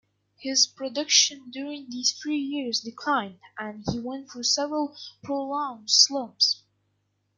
His production during these three years declined, and he went through several prolonged slumps.